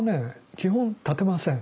基本立てません。